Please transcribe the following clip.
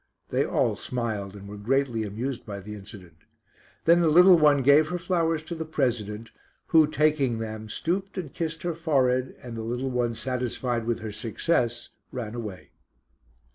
They all smiled, and were greatly amused by the incident. Then the little one gave her flowers to the President, who taking them, stooped and kissed her forehead, and the little one satisfied with her success ran away.